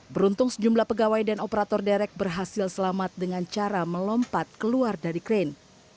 beruntung sejumlah pegawai dan operator derek berhasil selamat dengan cara melompat keluar dari krain